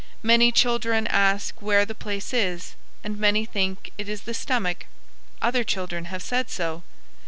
Many children ask where the place is, and many think it is the stomach. Other children have said so.